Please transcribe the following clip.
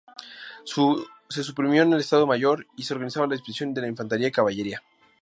Se suprimió el Estado Mayor y se organizó la inspección de Infantería y caballería.